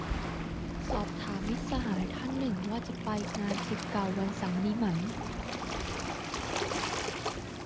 สอบถามมิตรสหายท่านหนึ่งว่าจะไปงานศิษย์เก่าวันเสาร์นี้ไหม